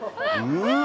うわ